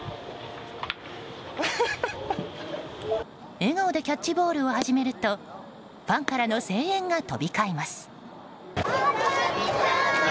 笑顔でキャッチボールを始めるとファンからの声援が飛び交います。